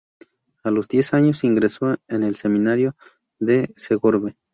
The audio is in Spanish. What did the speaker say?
A los diez años ingresó en el Seminario de Segorbe.